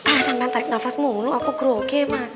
alah sampe tarik nafas mulu aku grow oke mas